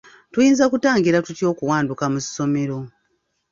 Tuyinza kutangira tutya okuwanduka mu ssomero?